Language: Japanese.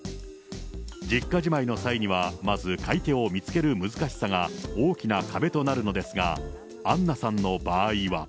実家じまいの際には、まず買い手を見つける難しさが、大きな壁となるのですが、アンナさんの場合は。